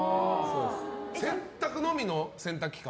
洗濯のみの洗濯機か。